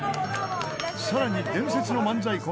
さらに伝説の漫才コンビ